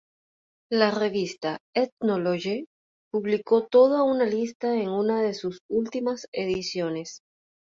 La revista "Ethnologue" publicó toda una lista en una de sus últimas ediciones.